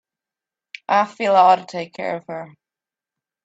I feel I ought to take care of her.